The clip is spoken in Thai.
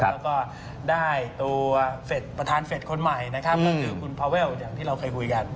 แล้วก็ได้ตัวเฟสประธานเฟสคนใหม่นะครับก็คือคุณพาเวลอย่างที่เราเคยคุยกัน